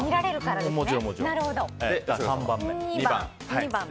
３番目。